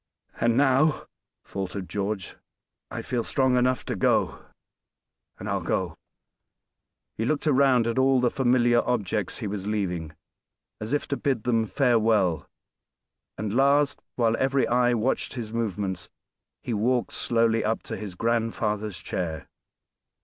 "And now," faltered George, "I feel strong enough to go, and I'll go." He looked round at all the familiar objects he was leaving, as if to bid them farewell; and last, while every eye watched his movements, he walked slowly up to his grandfather's chair.